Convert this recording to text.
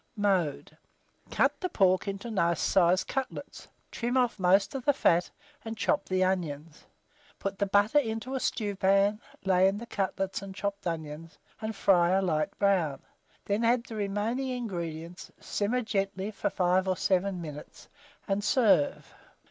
Mode. Cut the pork into nice sized cutlets, trim off most of the fat, and chop the onions. Put the butter into a stewpan, lay in the cutlets and chopped onions, and fry a light brown; then add the remaining ingredients, simmer gently for 5 or 7 minutes, and serve.